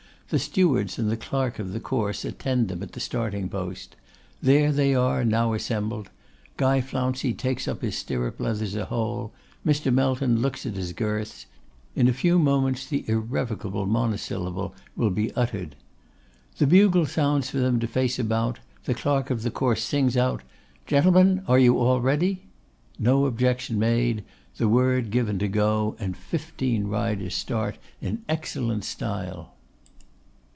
The stewards and the clerk of the course attend them to the starting post. There they are now assembled. Guy Flouncey takes up his stirrup leathers a hole; Mr. Melton looks at his girths. In a few moments, the irrevocable monosyllable will be uttered. The bugle sounds for them to face about; the clerk of the course sings out, 'Gentlemen, are you all ready?' No objection made, the word given to go, and fifteen riders start in excellent style.